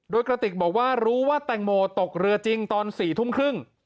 โดยกระติกบอกว่ารู้ว่าแตงโมตกเรือจริงตอน๔ทุ่มครึ่ง